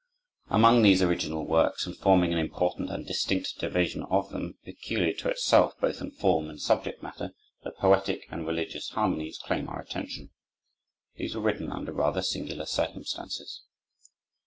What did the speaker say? Among these original works, and forming an important and distinct division of them, peculiar to itself both in form and subject matter, the "Poetic and Religious Harmonies" claim our attention. These were written under rather singular circumstances.